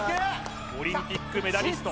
オリンピックメダリスト